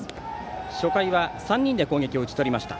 初回は３人で攻撃を打ち取りました。